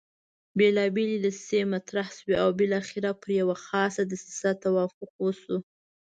بېلابېلې دسیسې طرح شوې او بالاخره پر یوه خاصه دسیسه توافق وشو.